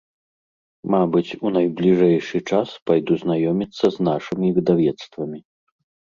Мабыць, у найбліжэйшы час пайду знаёміцца з нашымі выдавецтвамі.